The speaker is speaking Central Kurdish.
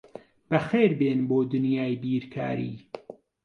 بەخێربێن بۆ دنیای بیرکاری.